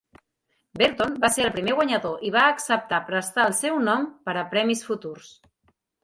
Berton va ser el primer guanyador i va acceptar prestar el seu nom per a premis futurs.